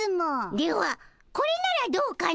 ではこれならどうかの？